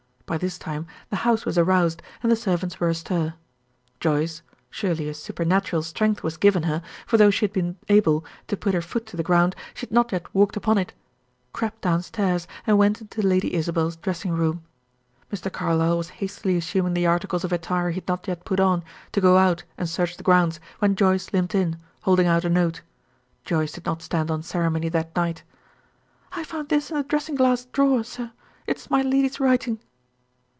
By this time the house was aroused, and the servants were astir. Joyce surely a supernatural strength was given her, for though she had been able to put her foot to the ground, she had not yet walked upon it crept downstairs, and went into Lady Isabel's dressing room. Mr. Carlyle was hastily assuming the articles of attire he had not yet put on, to go out and search the grounds, when Joyce limped in, holding out a note. Joyce did not stand on ceremony that night. "I found this in the dressing glass drawer, sir. It is my lady's writing."